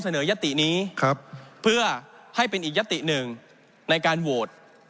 เสนอยศตินี้ครับเพื่อให้เป็นอีกยศติหนึ่งในการโหวต